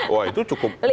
wah itu cukup